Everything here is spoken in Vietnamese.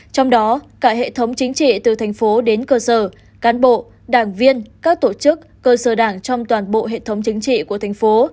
trong đó cả hệ thống chính trị từ thành phố đến cơ sở cán bộ đảng viên các tổ chức cơ sở đảng trong toàn bộ hệ thống chính trị của thành phố